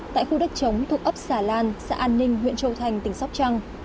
tại khu đất chống thuộc ấp xà lan xã an ninh huyện châu thành tỉnh sóc trăng